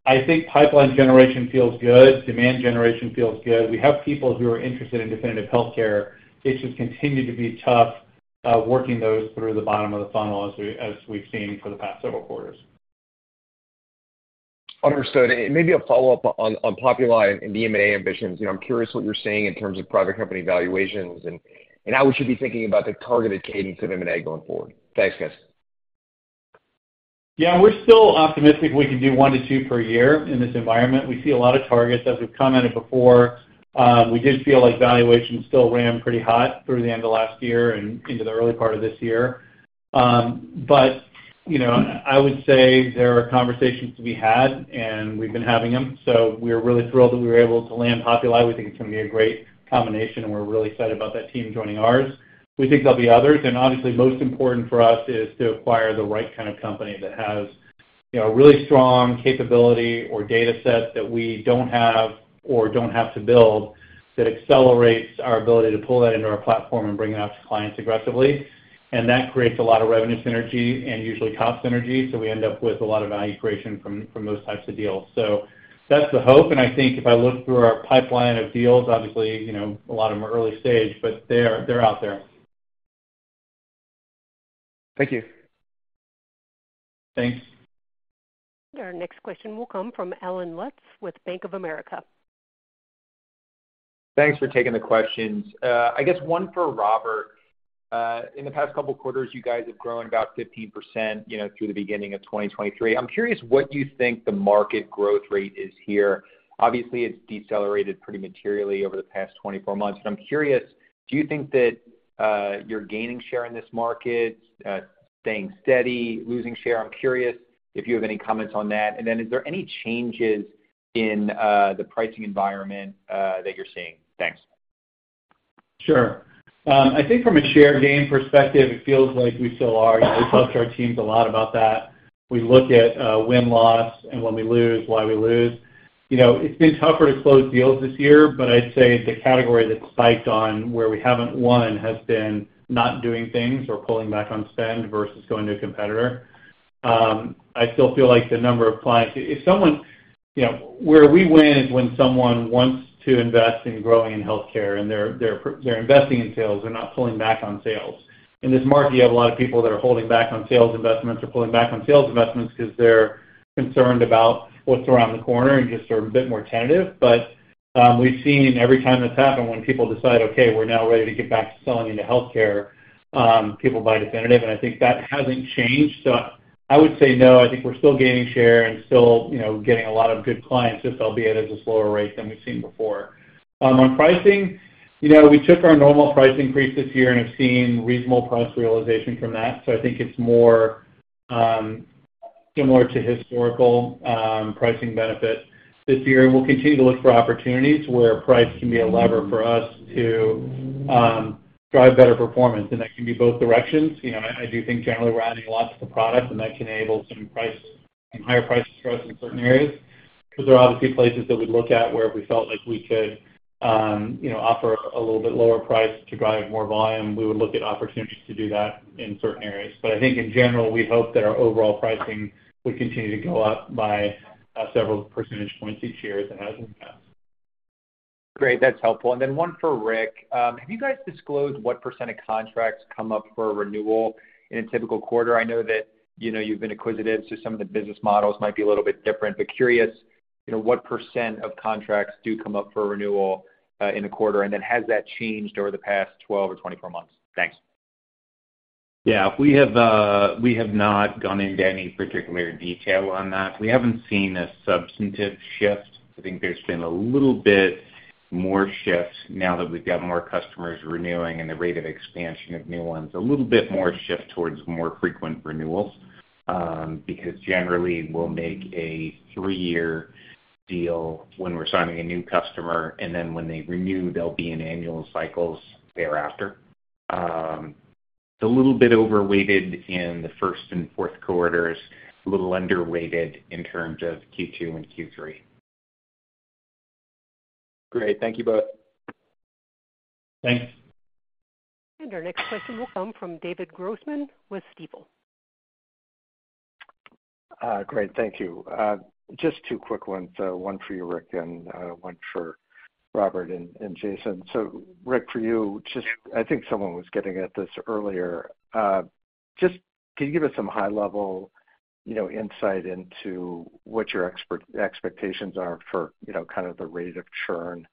I think pipeline generation feels good. Demand generation feels good. We have people who are interested in Definitive Healthcare. It's just continued to be tough, working those through the bottom of the funnel, as we, as we've seen for the past several quarters.
Understood. Maybe a follow-up on, on Populi and the M&A ambitions. You know, I'm curious what you're seeing in terms of private company valuations and, and how we should be thinking about the targeted cadence of M&A going forward. Thanks, guys.
Yeah, we're still optimistic we can do one to two per year in this environment. We see a lot of targets. As we've commented before, we did feel like valuations still ran pretty hot through the end of last year and into the early part of this year. You know, I would say there are conversations to be had, and we've been having them. We're really thrilled that we were able to land Populi. We think it's gonna be a great combination, and we're really excited about that team joining ours. We think there'll be others. Obviously, most important for us is to acquire the right kind of company that has, you know, really strong capability or data set that we don't have or don't have to build, that accelerates our ability to pull that into our platform and bring it out to clients aggressively. That creates a lot of revenue synergy and usually cost synergy, so we end up with a lot of value creation from those types of deals. That's the hope, and I think if I look through our pipeline of deals, obviously, you know, a lot of them are early stage, but they're out there.
Thank you.
Thanks.
Our next question will come from Allen Lutz with Bank of America.
Thanks for taking the questions. I guess one for Robert. In the past couple of quarters, you guys have grown about 15%, you know, through the beginning of 2023. I'm curious, what you think the market growth rate is here. Obviously, it's decelerated pretty materially over the past 24 months, but I'm curious, do you think that you're gaining share in this market, staying steady, losing share? I'm curious if you have any comments on that. Then is there any changes in the pricing environment that you're seeing? Thanks.
Sure. I think from a share gain perspective, it feels like we still are. You know, we've talked to our teams a lot about that. We look at win-loss and when we lose, why we lose. You know, it's been tougher to close deals this year, but I'd say the category that spiked on where we haven't won has been not doing things or pulling back on spend versus going to a competitor. I still feel like the number of clients. If someone... You know, where we win is when someone wants to invest in growing in healthcare, and they're, they're investing in sales. They're not pulling back on sales. In this market, you have a lot of people that are holding back on sales investments or pulling back on sales investments because they're concerned about what's around the corner and just are a bit more tentative. We've seen every time it's happened, when people decide, okay, we're now ready to get back to selling into healthcare, people buy Definitive, and I think that hasn't changed. I would say no, I think we're still gaining share and still, you know, getting a lot of good clients, just albeit at a slower rate than we've seen before. On pricing, you know, we took our normal price increase this year and have seen reasonable price realization from that. I think it's more similar to historical pricing benefit this year. We'll continue to look for opportunities where price can be a lever for us to drive better performance. That can be both directions. You know, I, I do think generally we're adding lots of the product, and that can enable some higher prices for us in certain areas, 'cause there are obviously places that we'd look at where if we felt like we could, you know, offer a little bit lower price to drive more volume, we would look at opportunities to do that in certain areas. I think in general, we hope that our overall pricing will continue to go up by several percentage points each year as it has in the past.
Great. That's helpful. Then one for Rick. have you guys disclosed what percent of contracts come up for renewal in a typical quarter? I know that, you know, you've been acquisitive, so some of the business models might be a little bit different, but curious, you know, what percent of contracts do come up for renewal, in a quarter, and then has that changed over the past 12 or 24 months? Thanks.
Yeah. We have, we have not gone into any particular detail on that. We haven't seen a substantive shift. I think there's been a little bit more shift now that we've got more customers renewing and the rate of expansion of new ones, a little bit more shift towards more frequent renewals. Because generally, we'll make a three-year deal when we're signing a new customer, and then when they renew, they'll be in annual cycles thereafter. It's a little bit overweighted in the first and fourth quarters, a little underweighted in terms of Q2 and Q3.
Great. Thank you both.
Thanks.
Our next question will come from David Grossman with Stifel.
Great, thank you. Just two quick ones. Just one for you, Rick, and one for Robert and Jason. Rick, for you, just I think someone was getting at this earlier. Just can you give us some high-level, you know, insight into what your expectations are for, you know, kind of the rate of churn,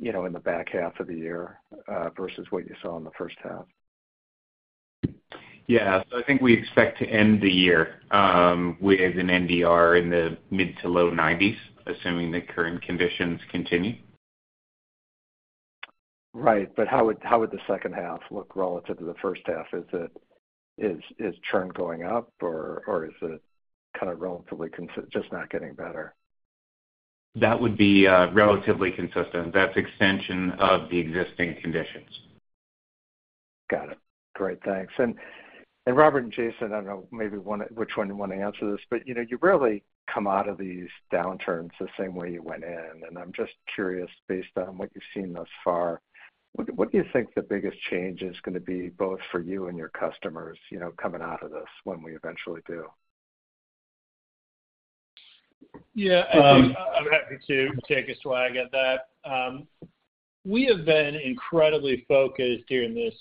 you know, in the back half of the year, versus what you saw in the first half?
Yeah. I think we expect to end the year with an NDR in the mid to low 90s, assuming the current conditions continue.
Right. How would, how would the second half look relative to the first half? Is churn going up, or, or is it kind of relatively just not getting better?
That would be, relatively consistent. That's extension of the existing conditions.
Got it. Great, thanks. Robert and Jason, I don't know, maybe one, which one you want to answer this, but, you know, you rarely come out of these downturns the same way you went in, and I'm just curious, based on what you've seen thus far, what do you think the biggest change is gonna be, both for you and your customers, you know, coming out of this when we eventually do?
Yeah, I'm happy to take a swag at that. We have been incredibly focused during this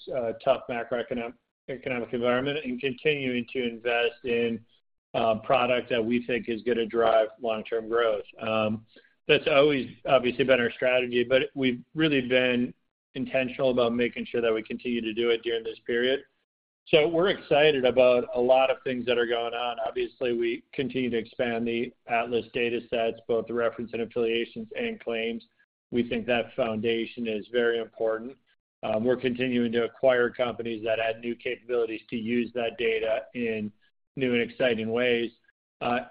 tough macroeconomic economic environment and continuing to invest in product that we think is gonna drive long-term growth. That's always obviously been our strategy, but we've really been intentional about making sure that we continue to do it during this period. We're excited about a lot of things that are going on. Obviously, we continue to expand the Atlas Datasets, both the reference and affiliations and claims. We think that foundation is very important.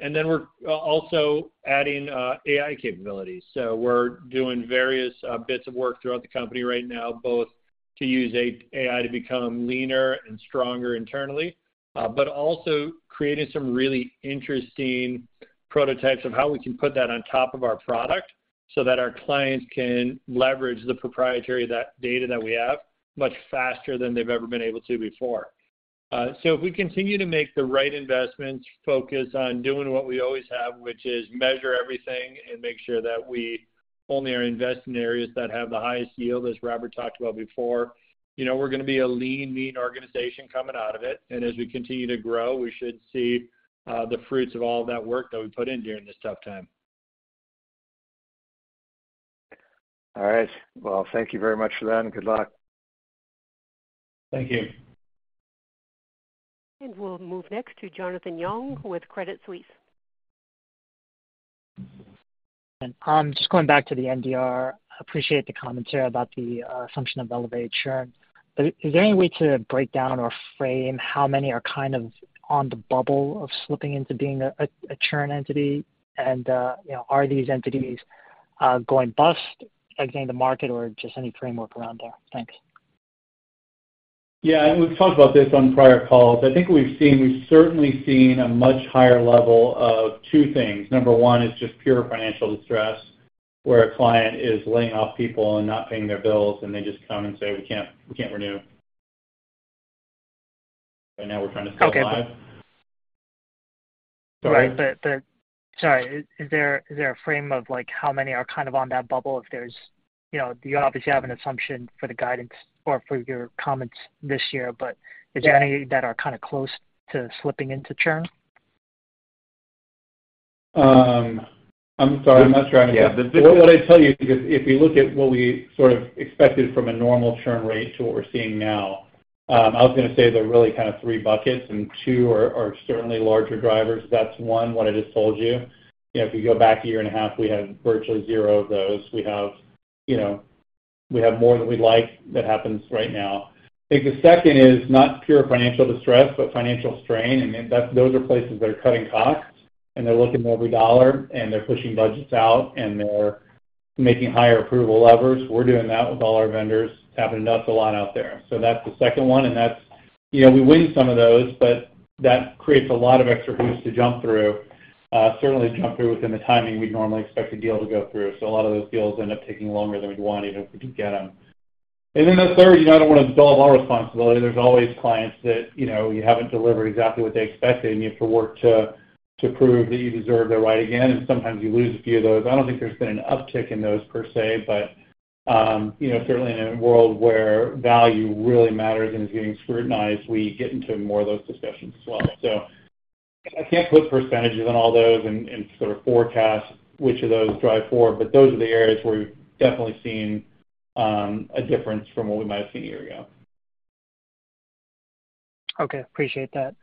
And then we're also adding AI capabilities. We're doing various bits of work throughout the company right now, both to use AI to become leaner and stronger internally, but also creating some really interesting prototypes of how we can put that on top of our product, so that our clients can leverage the proprietary, that data that we have, much faster than they've ever been able to before. If we continue to make the right investments, focus on doing what we always have, which is measure everything and make sure that we only are investing in areas that have the highest yield, as Robert talked about before, you know, we're gonna be a lean, mean organization coming out of it. As we continue to grow, we should see the fruits of all that work that we put in during this tough time.
All right. Well, thank you very much for that, and good luck.
Thank you.
We'll move next to Jonathan Yong with Credit Suisse.
Just going back to the NDR, appreciate the commentary about the assumption of elevated churn. Is there any way to break down or frame how many are kind of on the bubble of slipping into being a churn entity? You know, are these entities going bust, exiting the market, or just any framework around there? Thanks.
Yeah, we've talked about this on prior calls. I think we've seen, we've certainly seen a much higher level of two things. Number one is just pure financial distress, where a client is laying off people and not paying their bills, and they just come and say, "We can't, we can't renew." Right now we're trying to stay alive.
Okay.
Sorry?
Right. Sorry, is there a frame of, like, how many are kind of on that bubble? If there's, you know, you obviously have an assumption for the guidance or for your comments this year, but.
Yeah.
Is there any that are kind of close to slipping into churn?...
I'm sorry, I'm not sure I can.
Yeah.
What would I tell you? If we look at what we sort of expected from a normal churn rate to what we're seeing now, I was gonna say there are really kind of three buckets, and two are certainly larger drivers. That's one, what I just told you. You know, if you go back a year and a half, we had virtually zero of those. We have, you know, we have more than we'd like that happens right now. I think the second is not pure financial distress, but financial strain. Those are places that are cutting costs, and they're looking at every dollar, and they're pushing budgets out, and they're making higher approval levers. We're doing that with all our vendors. It's happening to us a lot out there. That's the second one, and that's, you know, we win some of those, but that creates a lot of extra hoops to jump through, certainly to jump through within the timing we'd normally expect a deal to go through. Then the third, you know, I don't want to involve all responsibility. There's always clients that, you know, you haven't delivered exactly what they expected, and you have to work to, to prove that you deserve their right again, and sometimes you lose a few of those. I don't think there's been an uptick in those per se, but, you know, certainly in a world where value really matters and is getting scrutinized, we get into more of those discussions as well. I can't put percentages on all those and sort of forecast which of those drive forward, but those are the areas where we've definitely seen a difference from what we might have seen a year ago.
Okay, appreciate that.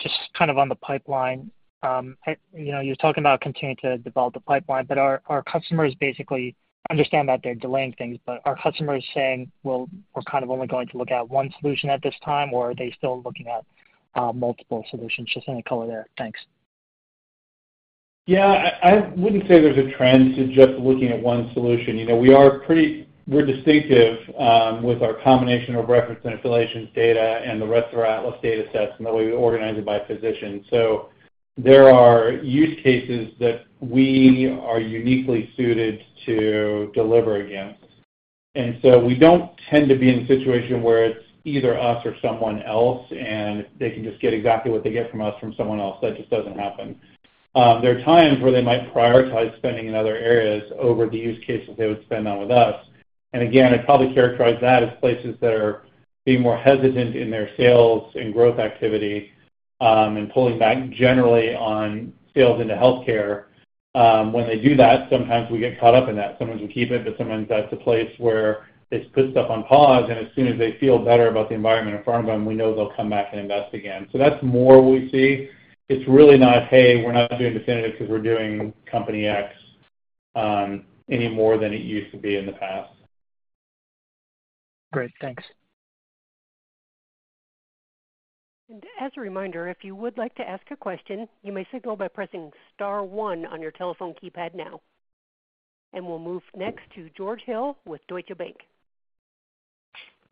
Just kind of on the pipeline, you know, you're talking about continuing to develop the pipeline, but are, are customers basically understand that they're delaying things, but are customers saying, "Well, we're kind of only going to look at one solution at this time?" Are they still looking at multiple solutions? Just any color there. Thanks.
Yeah, I, I wouldn't say there's a trend to just looking at one solution. You know, we're distinctive, with our combination of reference and affiliations data and the rest of our Atlas data sets, and the way we organize it by physician. There are use cases that we are uniquely suited to deliver against. We don't tend to be in a situation where it's either us or someone else, and they can just get exactly what they get from us, from someone else. That just doesn't happen. There are times where they might prioritize spending in other areas over the use cases they would spend on with us. Again, I'd probably characterize that as places that are being more hesitant in their sales and growth activity, and pulling back generally on sales into healthcare. When they do that, sometimes we get caught up in that. Sometimes we keep it, but sometimes that's a place where it's put stuff on pause, and as soon as they feel better about the environment in front of them, we know they'll come back and invest again. That's more we see. It's really not, "Hey, we're not doing Definitive Healthcare because we're doing company X," any more than it used to be in the past.
Great. Thanks.
As a reminder, if you would like to ask a question, you may signal by pressing star one on your telephone keypad now. We'll move next to George Hill with Deutsche Bank.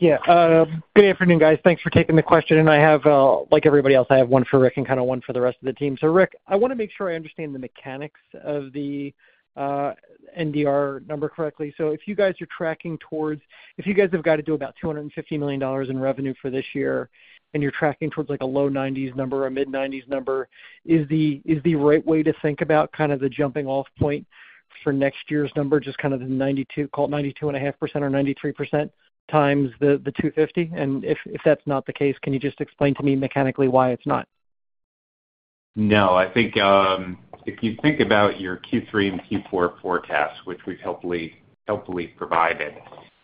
Yeah, good afternoon, guys. Thanks for taking the question. I have, like everybody else, I have one for Rick and kind of one for the rest of the team. Rick, I want to make sure I understand the mechanics of the NDR number correctly. If you guys have got to do about $250 million in revenue for this year, and you're tracking towards, like, a low 90s number or a mid-90s number, is the, is the right way to think about kind of the jumping-off point for next year's number, just kind of the 92, call it 92.5% or 93% times the, the 250? If, if that's not the case, can you just explain to me mechanically why it's not?
I think, if you think about your Q3 and Q4 forecasts, which we've hopefully, hopefully provided,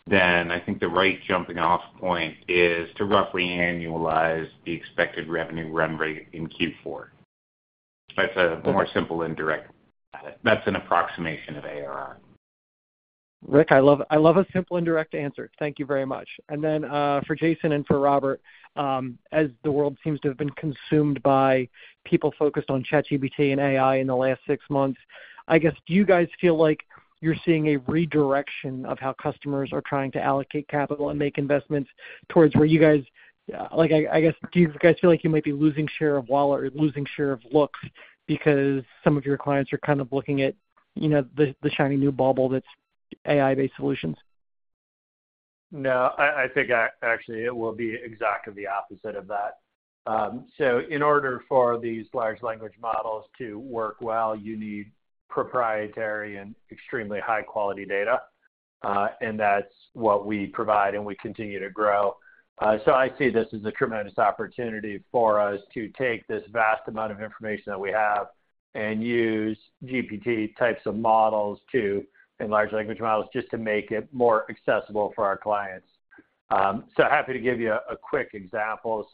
then I think the right jumping-off point is to roughly annualize the expected revenue run rate in Q4. That's a more simple and direct. That's an approximation of ARR.
Rick, I love I love a simple and direct answer. Thank you very much. For Jason and for Robert, as the world seems to have been consumed by people focused on ChatGPT and AI in the last six months, I guess, do you guys feel like you're seeing a redirection of how customers are trying to allocate capital and make investments towards where you guys-- Like, I, I guess, do you guys feel like you might be losing share of wallet or losing share of looks because some of your clients are kind of looking at, you know, the, the shiny new bauble that's AI-based solutions?
No, I, I think actually, it will be exactly the opposite of that. In order for these large language models to work well, you need proprietary and extremely high-quality data, and that's what we provide, and we continue to grow. I see this as a tremendous opportunity for us to take this vast amount of information that we have and use GPT types of models to, and large language models, just to make it more accessible for our clients. Happy to give you a, a quick example.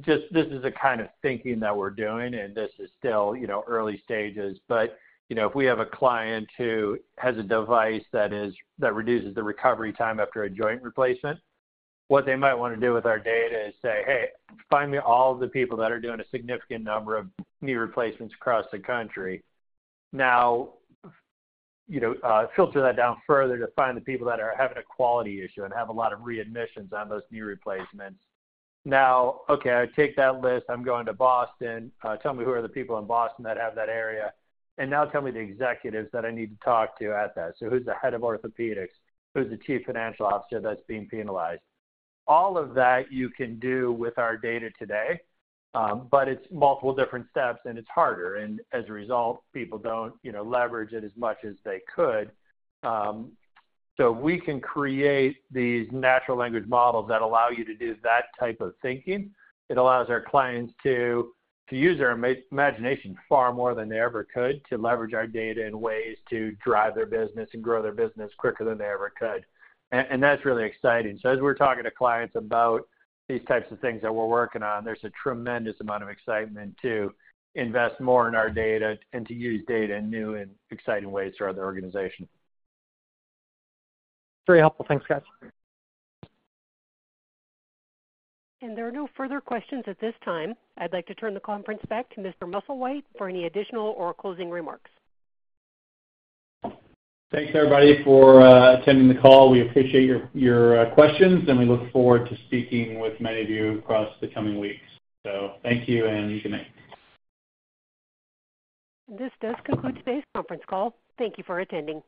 Just this is the kind of thinking that we're doing, and this is still, you know, early stages You know, if we have a client who has a device that is, that reduces the recovery time after a joint replacement, what they might want to do with our data is say, "Hey, find me all the people that are doing a significant number of knee replacements across the country." Now, you know, filter that down further to find the people that are having a quality issue and have a lot of readmissions on those knee replacements. Now, okay, I take that list, I'm going to Boston. Tell me, who are the people in Boston that have that area? Now tell me the executives that I need to talk to at that. So who's the head of orthopedics? Who's the chief financial officer that's being penalized? All of that you can do with our data today, but it's multiple different steps, and it's harder, and as a result, people don't, you know, leverage it as much as they could. We can create these natural language models that allow you to do that type of thinking. It allows our clients to, to use their imagination far more than they ever could, to leverage our data in ways to drive their business and grow their business quicker than they ever could. That's really exciting. As we're talking to clients about these types of things that we're working on, there's a tremendous amount of excitement to invest more in our data and to use data in new and exciting ways throughout their organization.
Very helpful. Thanks, guys.
There are no further questions at this time. I'd like to turn the conference back to Mr. Musslewhite for any additional or closing remarks.
Thanks, everybody, for attending the call. We appreciate your, your, questions, and we look forward to speaking with many of you across the coming weeks. Thank you, and good night.
This does conclude today's conference call. Thank you for attending.